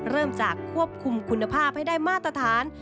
เริ่มจากควบคุมคุณภาพให้ได้มาตรฐาน